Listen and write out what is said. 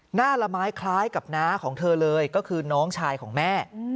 หน้าละไม้คล้ายกับน้าของเธอเลยก็คือน้องชายของแม่